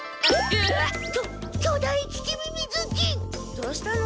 どうしたの？